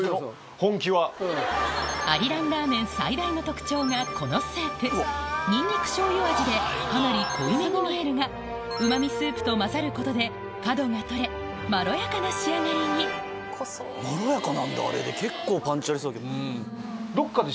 アリランラーメン最大の特徴がこのスープニンニクしょうゆ味でかなり濃いめに見えるがうまみスープと混ざることで角が取れまろやかな仕上がりに結構パンチありそうだけど。